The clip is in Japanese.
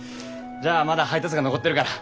じゃあまだ配達が残ってるから。